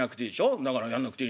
だからやんなくていいの」。